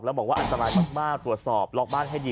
แล้วบอกว่าอันตรายมากตรวจสอบล็อกบ้านให้ดี